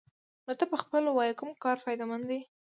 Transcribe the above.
نو ته پخپله ووايه كوم كار فايده مند دې؟